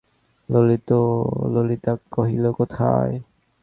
ললিতা কহিল, কোথায়?